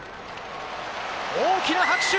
大きな拍手！